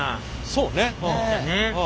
そうね。